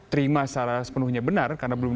terima secara sepenuhnya benar karena belum